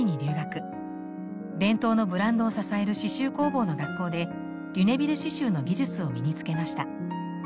伝統のブランドを支える刺しゅう工房の学校でリュネビル刺しゅうの技術を身に付けました。